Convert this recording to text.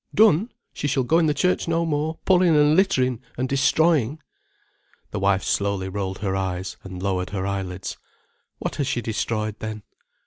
"Done? She shall go in the church no more, pulling and littering and destroying." The wife slowly rolled her eyes and lowered her eyelids. "What has she destroyed, then?"